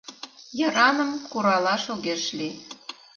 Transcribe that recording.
Йыраным куралаш огеш лий.